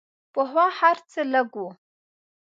پخوا هر څه لږ وو.